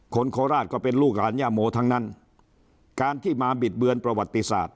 โคราชก็เป็นลูกหลานย่าโมทั้งนั้นการที่มาบิดเบือนประวัติศาสต